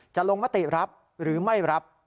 ลงมติรับหรือไม่รับ